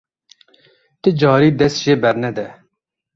Ti carî dest jê bernede.